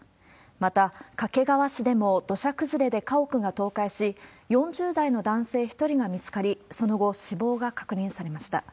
また、掛川市でも土砂崩れで家屋が倒壊し、４０代の男性１人が見つかり、その後、死亡が確認されました。